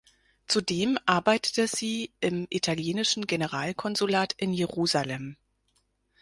Zudem arbeitete sie im italienischen Generalkonsulat in Jerusalem.